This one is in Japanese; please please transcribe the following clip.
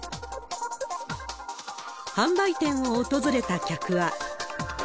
販売店を訪れた客は。